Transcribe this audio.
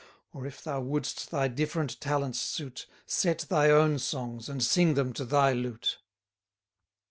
Or, if thou wouldst thy different talents suit, Set thy own songs, and sing them to thy lute.